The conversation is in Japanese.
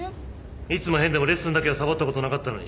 いつも変でもレッスンだけはサボったことなかったのに。